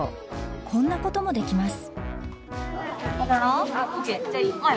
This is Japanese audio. こんなこともできます。